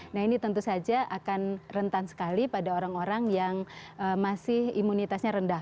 nah ini tentu saja akan rentan sekali pada orang orang yang masih imunitasnya rendah